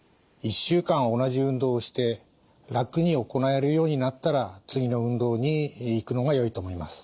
１週間同じ運動をして楽に行えるようになったら次の運動にいくのがよいと思います。